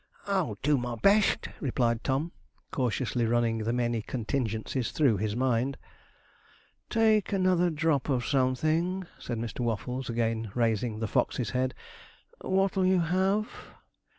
'I'll do my best,' replied Tom, cautiously running the many contingencies through his mind. 'Take another drop of something,' said Mr. Waffles, again raising the Fox's head. 'What'll you have?'